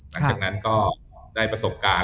หลังจากนั้นก็ได้ประสบการณ์